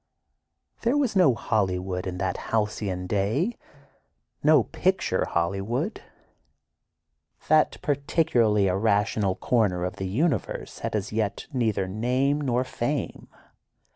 There was no Hollywood in that halcyon day, no picture Hollywood. That "particularly irrational" corner of the universe had as yet neither name nor fame.